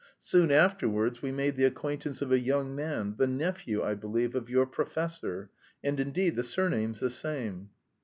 Soon afterwards we made the acquaintance of a young man, the nephew, I believe, of your 'Professor' and, indeed, the surname's the same."